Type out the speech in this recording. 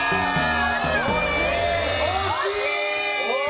惜しい！